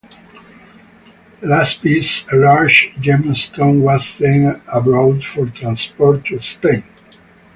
The last piece, a large gemstone, was sent abroad for transport to Spain.